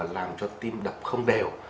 làm cho tim đập không đều